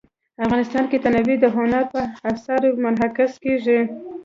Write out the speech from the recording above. افغانستان کې تنوع د هنر په اثار کې منعکس کېږي.